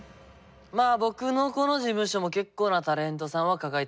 まあ僕のこの事務所も結構なタレントさんは抱えています。